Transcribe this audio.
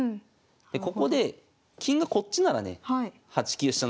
でここで金がこっちならね８九飛車